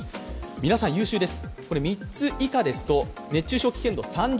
皆さん優秀です。